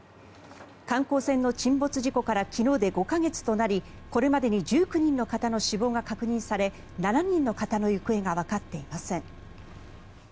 観光船の沈没事故から昨日で５か月となりこれまでに１９人の方の死亡が確認され７人の方の行方がわかっていません。